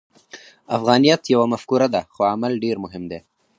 افغانیت یوه مفکوره ده، خو عمل ډېر مهم دی.